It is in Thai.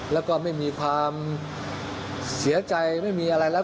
แล้วก็ไม่มีความเสียใจไม่มีอะไรแล้ว